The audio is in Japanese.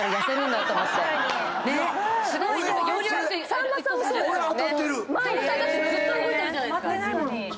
さんまさんだってずっと動いてるじゃないですか。